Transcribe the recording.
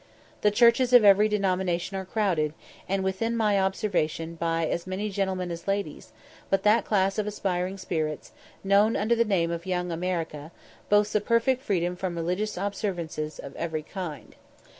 The churches of every denomination are crowded, and within my observation by as many gentlemen as ladies; but that class of aspiring spirits, known under the name of "Young America," boasts a perfect freedom from religious observances of every kind.